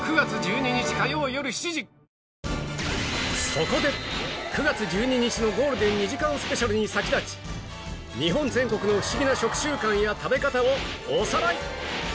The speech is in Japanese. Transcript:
そこで９月１２日のゴールデン２時間スペシャルに先立ち日本全国のフシギな食習慣や食べ方をおさらい